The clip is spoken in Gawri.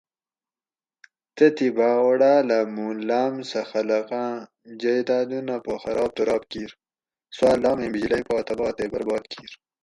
تتھی بھاۤ اوڑاۤلہ موں لاۤم سہ خلقاں جائدادونہ پا خراب تراب کِیر سواۤ لامیں بجلئ پا تباہ تے برباد کِیر